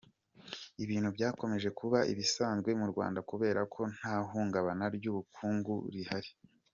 Ibintu byakomeje kuba ibisanzwe mu Rwanda kubera ko nta hungabana ry’ubukungu rihari.